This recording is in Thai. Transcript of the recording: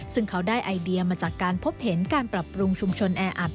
ซึ่งเขาได้ไอเดียมาจากการพบเห็นการปรับปรุงชุมชนแออัด